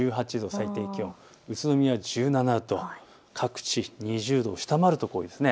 東京１８度、宇都宮１７度、各地２０度を下回る所です。